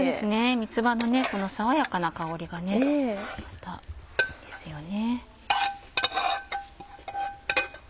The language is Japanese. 三つ葉のこの爽やかな香りがまたいいですよね。